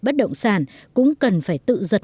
bất động sản cũng cần phải tự dật